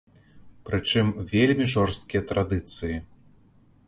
Прычым вельмі жорсткія традыцыі.